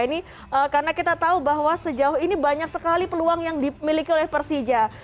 ini karena kita tahu bahwa sejauh ini banyak sekali peluang yang dimiliki oleh persija